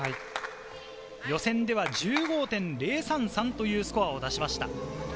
予選では１５．０３３というスコアを出しました。